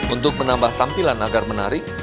untuk menambah tampilan agar menarik